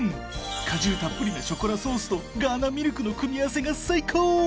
果汁たっぷりなショコラソースとガーナミルクの組み合わせが最高！